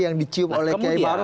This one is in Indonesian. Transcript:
yang dicium oleh kiai maruf